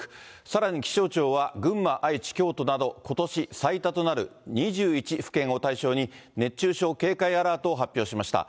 さらに気象庁は、群馬、愛知、京都など、ことし最多となる２１府県を対象に、熱中症警戒アラートを発表しました。